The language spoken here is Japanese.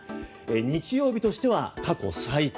日曜日としては過去最多。